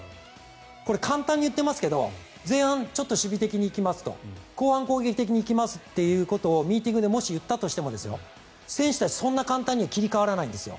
簡単に言っていますが前半ちょっと守備的に行きますと後半攻撃的に行きますということをミーティングでもし言ったとしても選手たち、そんな簡単には切り替わらないんですよ。